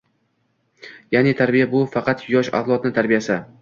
Ya’ni, tarbiya bu faqat yosh avlodni tarbiyasi.